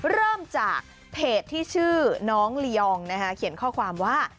เริ่มจากเพจที่ชื่อน้องลียองเขียนข้อความว่า